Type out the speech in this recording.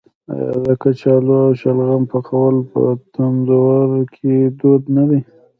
آیا د کچالو او شلغم پخول په تندور کې دود نه دی؟